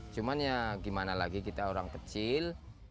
cuman ya gimana lagi kita orang kecil